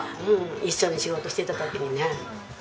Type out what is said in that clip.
一緒に仕事していた時にね。